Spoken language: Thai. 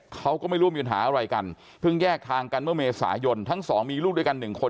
เขาก็ไม่รู้ว่ามีปัญหาอะไรกันเพิ่งแยกทางกันเมื่อเมษายนทั้งสองมีลูกด้วยกันหนึ่งคน